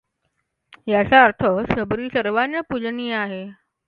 याचा अर्थ शबरी सर्वांना पूजनीय आहे.